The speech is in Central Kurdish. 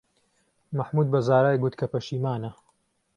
مەحموود بە زارای گوت کە پەشیمانە.